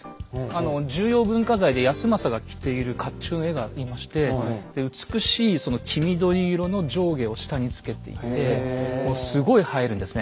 重要文化財で康政が着ている甲冑の絵がありまして美しいその黄緑色の上下を下につけていてもうすごい映えるんですね。